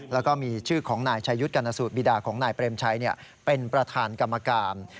แล้วก็มีชื่อของนายชายุทธ์กรณสูตรบิดาของนายเปรมชัยเป็นประธานกรรมการ